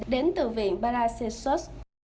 đến từ viện paracelsus